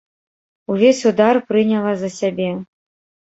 Увесь удар прыняла за сябе.